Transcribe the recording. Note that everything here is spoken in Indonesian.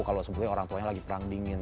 kalau sebenarnya orang tuanya lagi perang dingin